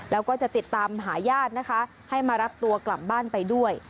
แล้วก็จะติดตามหาญาตินะคะให้มารับตัวกลับบ้านไปด้วย